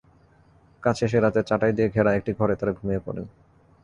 কাজ শেষে রাতে চাটাই দিয়ে ঘেরা একটি ঘরে তাঁরা ঘুমিয়ে পড়েন।